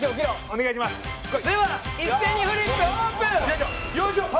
では一斉にフリップオープン！